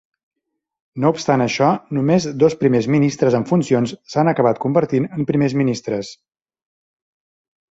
No obstant això, només dos primers ministres en funcions s'han acabat convertint en primers ministres.